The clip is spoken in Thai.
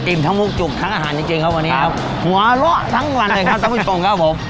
ทั้งมุกจุกทั้งอาหารจริงจริงครับวันนี้ครับหัวเราะทั้งวันเลยครับท่านผู้ชมครับผม